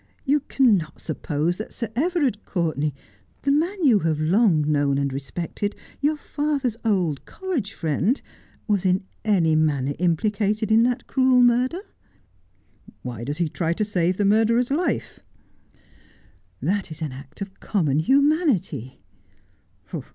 You cannot suppose that Sir Everard Courtenay, the man you have long known and respected, your father's old college friend, was in any manner implicated in that cruel murder ' "Why does he try to save the murderer's life 1 '' That is an act of common humanity.'